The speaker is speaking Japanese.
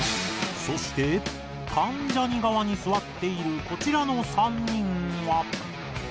そして関ジャニ側に座っているこちらの３人は。